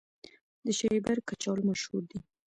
د شیبر کچالو مشهور دي